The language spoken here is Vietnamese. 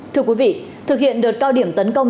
thưa quý vị thực hiện đợt cao điểm tấn công